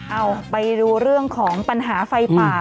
เอาไปดูเรื่องของปัญหาไฟป่า